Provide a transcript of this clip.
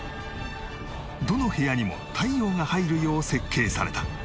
どの部屋にも太陽が入るよう設計された